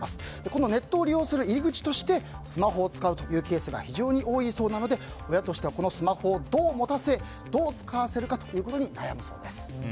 このネットを利用する入り口としてスマホを使うというケースが非常に多いそうなので親としては、このスマホをどう持たせどう使わせるかということに悩むそうです。